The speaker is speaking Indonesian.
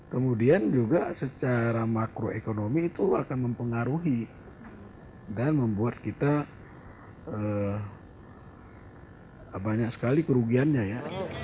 kemudian juga secara makroekonomi itu akan mempengaruhi dan membuat kita banyak sekali kerugiannya ya